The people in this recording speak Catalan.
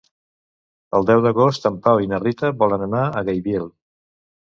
El deu d'agost en Pau i na Rita volen anar a Gaibiel.